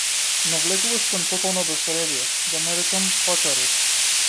Навлекуваш кон тотално безредие, да не речам - пачариз!